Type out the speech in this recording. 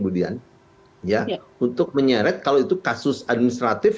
untuk menyeret kalau itu kasus administratif